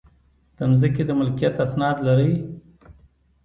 د ځمکې د ملکیت اسناد لرئ؟